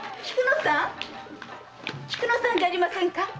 菊乃さんじゃありませんか？